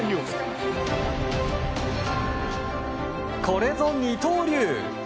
これぞ二刀流！